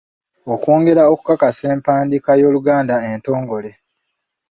Okwongera okukaza empandiika y’Oluganda entongole.